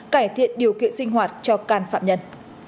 cải thiện điều kiện sinh hoạt cho can phạm nhân